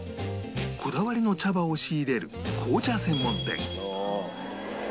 こだわりの茶葉を仕入れる紅茶専門店